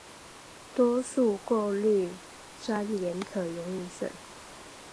多数过氯酸盐可溶于水。